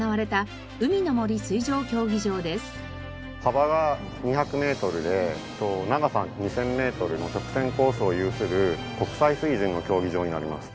幅が２００メートルで長さが２０００メートルの直線コースを有する国際水準の競技場になります。